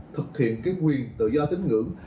thực hiện quyền tự do tính ngưỡng